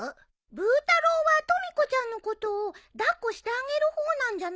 ブー太郎はとみ子ちゃんのことを抱っこしてあげる方なんじゃないの？